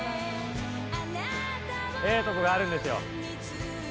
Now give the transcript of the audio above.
ええとこがあるんですよ。